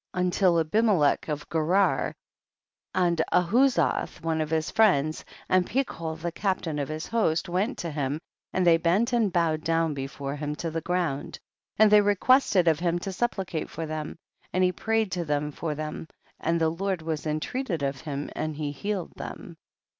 35. Until Abimelech of Gerar, and Ahuzzath one of his friends, and Pichol the captain of his host, went to him and they bent and bowed down before him to the ground, 36. And they requested of him to supplicate for them, and he prayed to the Lord for them, and the Lord was intreated of him and he healed them.